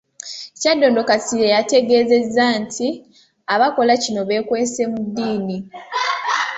Kyaddondo Kasirye yategeezezza nti abakola kino beekwese mu ddiini